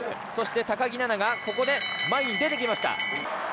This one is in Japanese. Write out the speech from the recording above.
そして、高木菜那がここで前に出てきました。